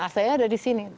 saya ada di sini